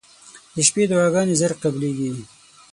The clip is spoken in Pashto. • د شپې دعاګانې زر قبلېږي.